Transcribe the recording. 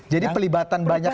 jadi pelibatan banyak